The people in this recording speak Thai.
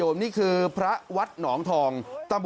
โอ้ยน้ำแรงมากเลย